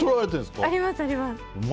あります、あります。